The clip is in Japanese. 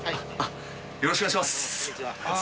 よろしくお願いします。